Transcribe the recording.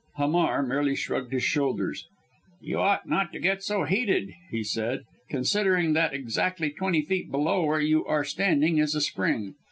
Hamar merely shrugged his shoulders. "You ought not to get so heated," he said, "considering that exactly twenty feet below where you are standing is a spring.